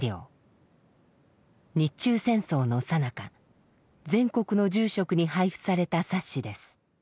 日中戦争のさなか全国の住職に配布された冊子です。